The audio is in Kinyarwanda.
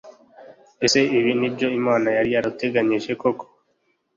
Ese ibi ni byo Imana yari yarateganyije koko